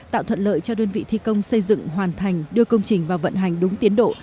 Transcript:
tạo thuận lợi cho đơn vị thi công xây dựng hoàn thành đưa công trình vào vận hành đúng tiến độ